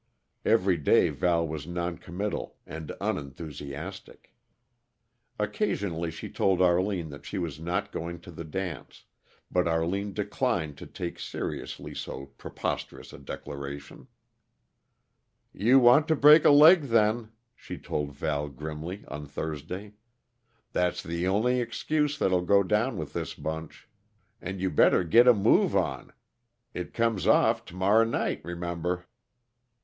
Every day Val was noncommittal and unenthusiastic. Occasionally she told Arline that she was not going to the dance, but Arline declined to take seriously so preposterous a declaration. "You want to break a leg, then," she told Val grimly on Thursday. "That's the only excuse that'll go down with this bunch. And you better git a move on it comes off to morrer night, remember."